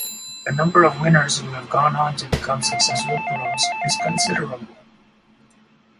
The number of winners who have gone on to become successful pros is considerable.